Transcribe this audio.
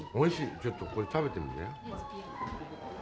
ちょっとこれ食べてみて。